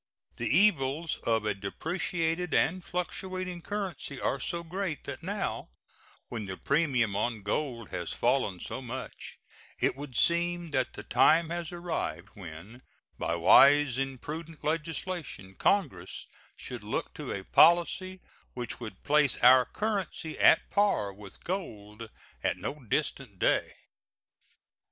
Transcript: The evils of a depreciated and fluctuating currency are so great that now, when the premium on gold has fallen so much, it would seem that the time has arrived when by wise and prudent legislation Congress should look to a policy which would place our currency at par with gold at no distant day.